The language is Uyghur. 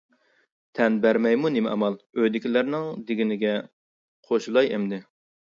تەن بەرمەيمۇ نېمە ئامال؟ ئۆيدىكىلەرنىڭ دېگىنىگە قوشۇلاي ئەمدى.